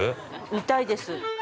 ◆見たいです。